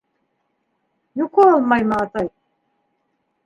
Йоҡо алмаймы, атый?